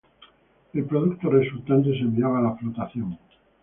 El producto resultante se enviaba a la Flotación.